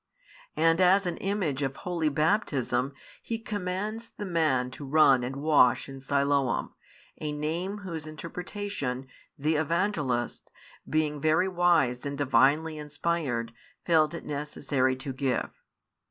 And as an image of Holy |20 Baptism He commands the man to run and wash in Siloam, a name whose interpretation, the Evangelist, being very wise and Divinely inspired, felt it necessary to give.